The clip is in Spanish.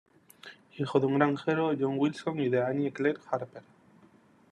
Hijo de un granjero, John Wilson, y de Annie Clerk Harper.